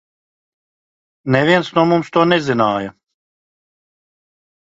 Neviens no mums to nezināja.